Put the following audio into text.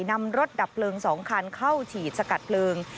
นำรถดับเพลิง๒คันเข้าฉีดสกัดเพลิง